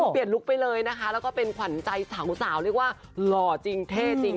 เปลี่ยนลูกไปเลยนะคะแล้วก็เป็นขวัญใจสาวเรียกว่ารอจริงท่าจริง